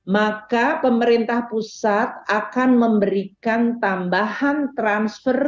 maka pemerintah pusat akan memberikan tambahan transfer